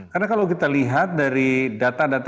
karena kalau kita lihat dari data data